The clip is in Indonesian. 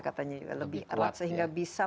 katanya lebih kuat sehingga bisa